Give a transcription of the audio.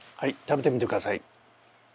食べてみてください。